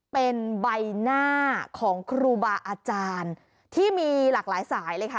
เป็นใบหน้าของครูบาอาจารย์ที่มีหลากหลายสายเลยค่ะ